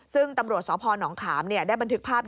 ซึ่งตำรวจสครนคาหมเนี่ยได้บันทึกภาพ